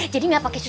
jadi nggak pakai susu